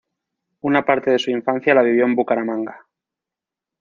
Una parte de su infancia la vivió en Bucaramanga.